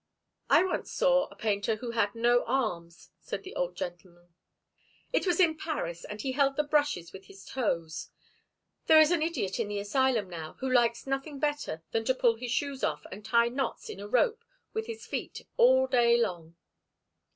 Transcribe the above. "I once saw a painter who had no arms," said the old gentleman. "It was in Paris, and he held the brushes with his toes. There is an idiot in the asylum now, who likes nothing better than to pull his shoes off and tie knots in a rope with his feet all day long."